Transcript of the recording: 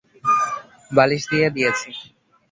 বালিশ দিয়ে দিয়েছি।